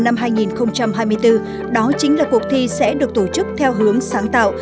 năm hai nghìn hai mươi bốn đó chính là cuộc thi sẽ được tổ chức theo hướng sáng tạo